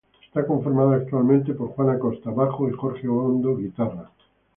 Está conformada actualmente por Juan Acosta, Bajo y Jorge Obando, Guitarra.